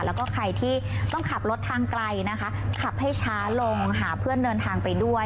แล้วก็ใครที่ต้องขับรถทางไกลนะคะขับให้ช้าลงหาเพื่อนเดินทางไปด้วย